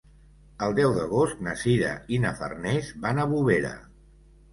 El deu d'agost na Sira i na Farners van a Bovera.